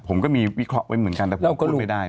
ผมก็มีวิเคราะห์ไว้เหมือนกันแต่ผมพูดไม่ได้